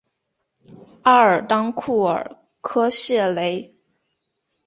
阿尔当库尔科谢雷。